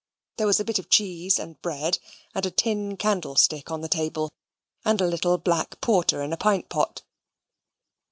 There was a bit of cheese and bread, and a tin candlestick on the table, and a little black porter in a pint pot.